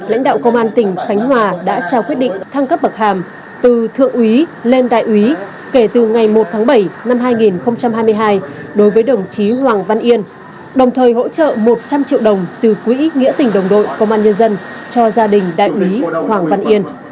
lãnh đạo công an tỉnh khánh hòa đã trao quyết định thăng cấp bậc hàm từ thượng úy lên đại úy kể từ ngày một tháng bảy năm hai nghìn hai mươi hai đối với đồng chí hoàng văn yên đồng thời hỗ trợ một trăm linh triệu đồng từ quỹ nghĩa tỉnh đồng đội công an nhân dân cho gia đình đại úy hoàng văn yên